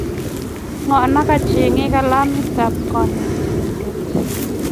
ngo ni kachen kalamitab konetinte